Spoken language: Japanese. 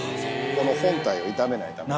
この本体を傷めないために。